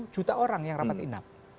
sembilan tujuh juta orang yang rapat inap